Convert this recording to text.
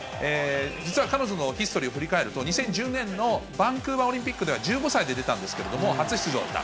実は彼女のヒストリーを振り返ると、２０１０年のバンクーバーオリンピックでは１５歳で出たんですけれども、初出場。